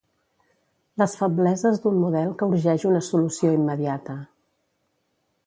Les febleses d'un model que urgeix una solució immediata.